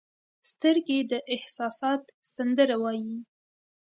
سترګې د احساسات سندره وایي